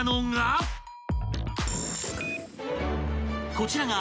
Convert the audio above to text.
［こちらが］